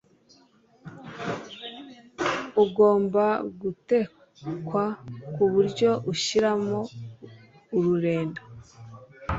Ugomba gutekwa ku buryo ushiramo ururenda